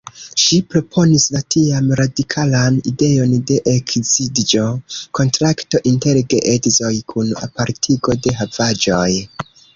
Ŝi proponis la tiam radikalan ideon de ekzidĝo-kontrakto inter geedzoj kun apartigo de havaĵoj.